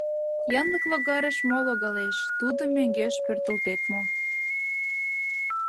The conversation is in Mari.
Янлык логарыш мо логалеш, тудым мӧҥгеш пӧртылтет мо?